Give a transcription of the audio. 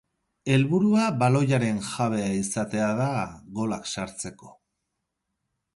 Helburua baloiaren jabe izatea da golak sartzeko.